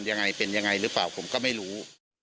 ยังไงเป็นยังไงหรือเปล่าผมก็ไม่รู้